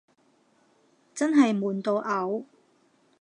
真係悶到嘔